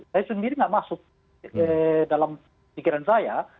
saya sendiri nggak masuk dalam pikiran saya